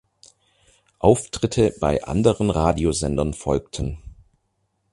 Auftritte bei anderen Radiosendern folgten.